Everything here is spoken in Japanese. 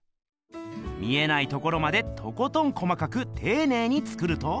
見えないところまでとことん細かくていねいに作ると。